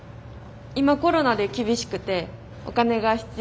今コロナで厳しくてお金が必要なんです。